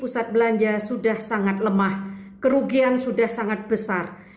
pusat belanja sudah sangat lemah kerugian sudah sangat besar